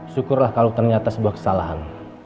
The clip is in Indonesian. syukurlah kalau ternyata sebuah kesalahan